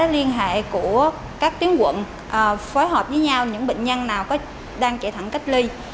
liên hệ của các tuyến quận phối hợp với nhau những bệnh nhân nào đang chạy thẳng cách ly